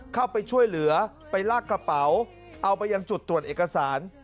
เข้าไปช่วยเหลือไปลากกระเป๋าเอาไปยังจุดตรวจเอกสาร